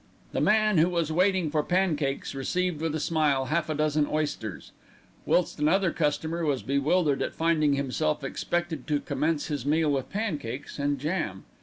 The man who was waiting for pancakes received with a smile half a dozen oysters; whilst another customer was bewildered at finding himself expected to commence his meal with pancakes and jam.